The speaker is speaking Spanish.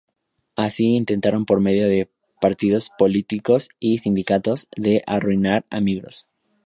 Así, intentaron por medio de partidos, políticos y sindicatos, de arruinar a Migros.